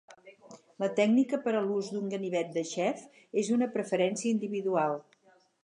La tècnica per a l'ús d'un ganivet de xef és una preferència individual.